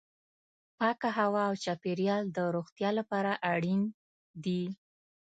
پاکه هوا او چاپیریال د روغتیا لپاره اړین دي.